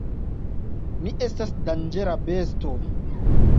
"Mi estas danĝera besto!"